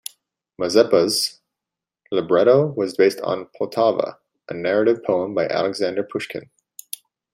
"Mazeppa"'s libretto was based on "Poltava", a narrative poem by Alexander Pushkin.